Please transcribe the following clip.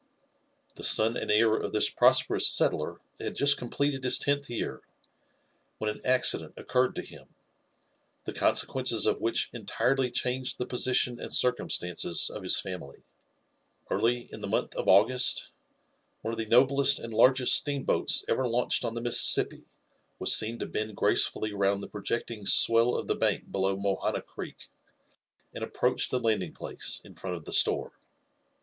The son and heir of this prosperous settler had just completed his tenth year, when an accident occurred to him, the consequences of which entirely changed the position and circumstances of his family. ^ Early in the month of August 18 —, one of the noblest and largest steam boats ever launched on the Mississippi was seen to bend grace fullyround the projecting swell of the bank below Mohana Creek, and approach the landing place in front of the store.